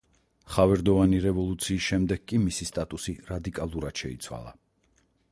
ხავერდოვანი რევოლუციის შემდეგ კი მისი სტატუსი რადიკალურად შეიცვალა.